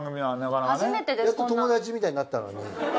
やっと友達みたいになったのに。